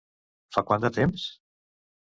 Fa quant de temps?